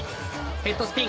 ヘッドスピン。